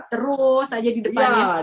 terus aja di depannya